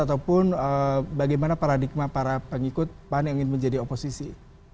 ataupun bagaimana paradigma para pengikut pan yang ingin menjadi oposisi